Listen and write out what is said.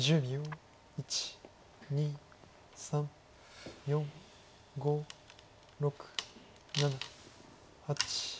１２３４５６７８。